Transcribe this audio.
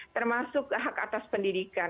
termasuk hak atas pendidikan